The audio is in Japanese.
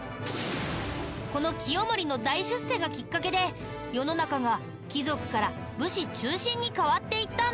この清盛の大出世がきっかけで世の中が貴族から武士中心に変わっていったんだよ。